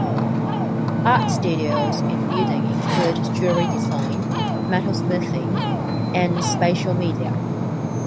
Art Studios in the building include Jewelry Design, Metalsmithing, and Spatial Media.